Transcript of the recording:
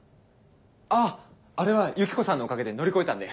あっあれはユキコさんのおかげで乗り越えたんで。